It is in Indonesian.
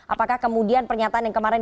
apakah kemudian pernyataan yang kemarin